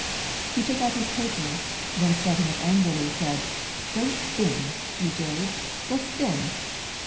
He took out his paper, then starting up angrily, said, "'Go spin, you jade, go spin.'